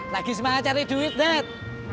lagi semangat cari duit net